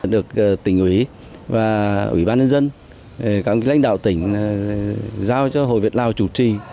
được tỉnh ủy và ủy ban nhân dân các lãnh đạo tỉnh giao cho hội việt lào chủ trì